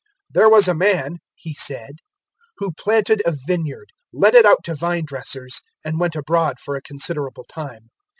"There was a man," He said, "who planted a vineyard, let it out to vine dressers, and went abroad for a considerable time.